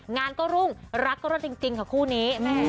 งานก็รุ้งรักก็สร้างจริงเค้าคู่นี้